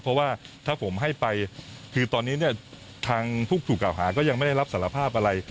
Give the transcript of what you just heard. เพราะว่าถ้าผมให้ไปคือตอนนี้เนี่ยทางผู้ถูกกล่าวหาก็ยังไม่ได้รับสารภาพอะไร